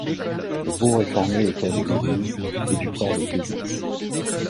Le bourg est formé autour de l'église et du port de plaisance.